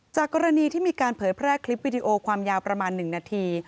กรณีที่มีการเผยแพร่คลิปวิดีโอความยาวประมาณ๑นาที